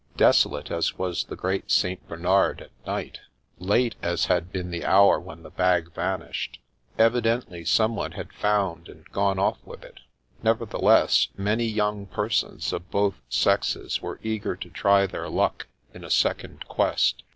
Desolate as was the Great St. Bernard at night, late as had been the hour when the bag vanished, evi dently someone had found and gone off with it. Nevertheless, many young persons of both sexes were eager to try their luck in a second quest.